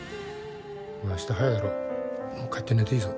明日早いだろ、もう帰って寝ていいぞ。